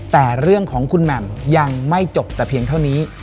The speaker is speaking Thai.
แต่เรื่องของคุณแหม่มยังไม่จบแต่เพียงเท่านี้